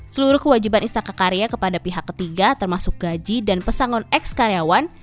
seluruh kewajiban istaka karya kepada pihak ketiga termasuk gaji dan pesangon ex karyawan